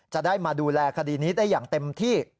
จะได้มาดูแลคดีนี้ได้อย่างเต็มที่